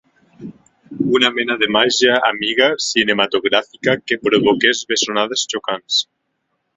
Una mena de màgia amiga cinematogràfica que provoqués bessonades xocants.